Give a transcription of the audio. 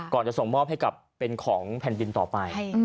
จะส่งมอบให้กับเป็นของแผ่นดินต่อไป